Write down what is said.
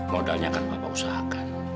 modalnya akan papa usahakan